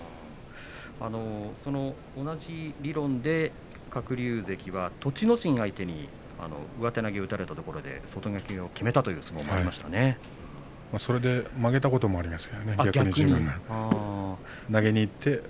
同じ理論で鶴竜関は、栃ノ心相手に上手投げで勝ったところで外掛けをきめたという逆に負けたということもありましたね